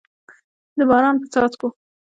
د باران په څاڅکو